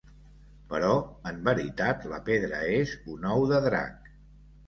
Però en veritat, la pedra és un ou de drac.